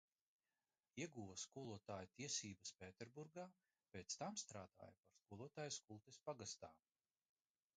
Ieguva skolotāja tiesības Pēterburgā, pēc tam strādāja par skolotāju Skultes pagastā.